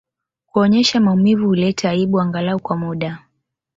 Kuonyesha maumivu huleta aibu angalau kwa muda